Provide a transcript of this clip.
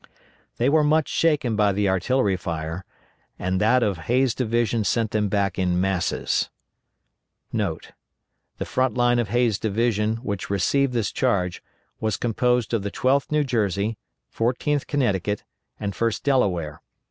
They were much shaken by the artillery fire, and that of Hays' division sent them back in masses.* [* The front line of Hays' division, which received this charge, was composed of the 12th New Jersey, 14th Connecticut, and 1st Delaware.